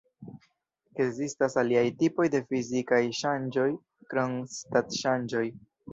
Ekzistas aliaj tipoj de fizikaj ŝanĝoj krom stat-ŝanĝoj.